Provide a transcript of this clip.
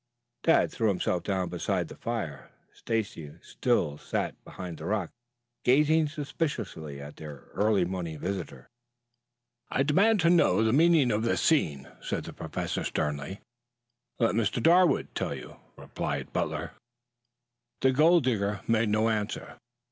Tad threw himself down beside the fire. Stacy still sat behind the rock, gazing suspiciously at their early morning visitor. "I demand to know the meaning of this scene," said the Professor sternly. "Let Mr. Darwood tell you," replied Butler. The gold digger made no answer.